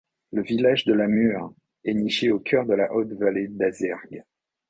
Le village de Lamure est niché au cœur de la haute vallée d'Azergues.